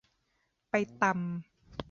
ไปตำ